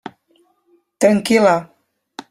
Tranquil·la.